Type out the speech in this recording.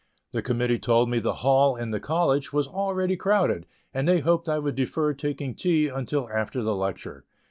The committee told me the hall in the college was already crowded, and they hoped I would defer taking tea until after the lecture.